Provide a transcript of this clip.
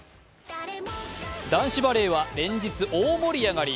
男子バレーは連日、大盛り上がり。